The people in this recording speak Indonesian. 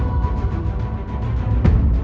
aku ingin menerima keadaanmu